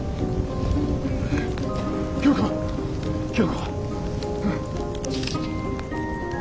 京子京子。